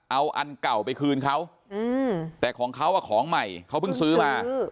เอาอันเก่าไปคืนเขาแต่ของเขาของใหม่เขาเพิ่งซื้อมา